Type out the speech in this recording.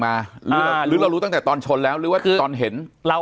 หรือเรารู้ตั้งแต่ตอนชนแล้วหรือว่าคือตอนเห็นเรา